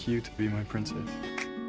saya ingin kamu menjadi putri saya